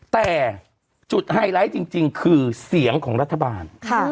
แต่จุดไฮไลท์จริงคือเสียงของรัฐบาล